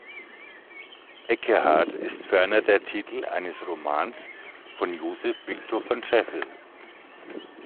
Ekkehard ist ferner der Titel eines Romans von Joseph Victor von Scheffel.